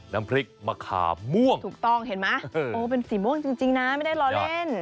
น้ำพริกมะขามม่วงถูกต้องเห็นไหมโอ้เป็นสีม่วงจริงนะไม่ได้ล้อเล่น